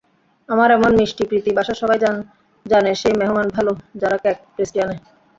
আমার এমন মিষ্টিপ্রীতি বাসার সবাই জানেসেই মেহমান ভালো যারা কেক, পেস্ট্রি আনে।